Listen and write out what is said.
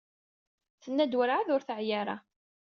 Tenna-d werɛad ur teɛyi ara.